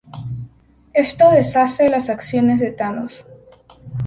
Esto deshace las acciones de Thanos.